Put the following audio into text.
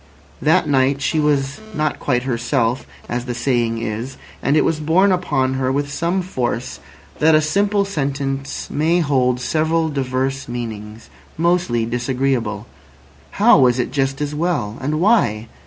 That night she was "not quite herself," as the saying is, and it was borne upon her with some force that a simple sentence may hold several diverse meanings—mostly disagreeable. How was it just as well? And why?